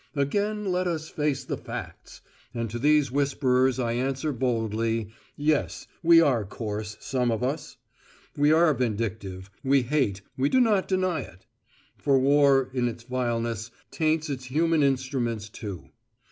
Again let us face the facts. And to these whisperers I answer boldly: "Yes! we are coarse, some of us; we are vindictive; we hate; we do not deny it." For war in its vileness taints its human instruments too.